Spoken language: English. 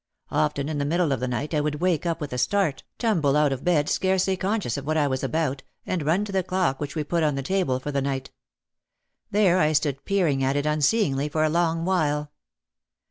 Often in the middle of the night I would wake up with a start, ii6 OUT OF THE SHADOW tumble out of bed, scarcely conscious of what I was about, and run to the clock which we put on the table for the night. There I stood peering at it unseeingly for a long while.